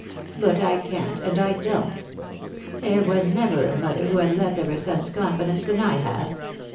But I can't, and I don't. There was> neve» iv mother who had less of her son's confidence than I have.